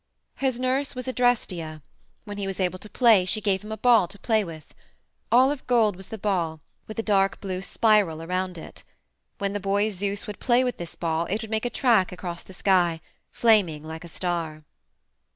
His nurse was Adrastia; when he was able to play she gave him a ball to play with. All of gold was the ball, with a dark blue spiral around it. When the boy Zeus would play with this ball it would make a track across the sky, flaming like a star.